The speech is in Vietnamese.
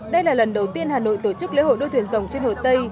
đây là lần đầu tiên hà nội tổ chức lễ hội đua thuyền rồng trên hồ tây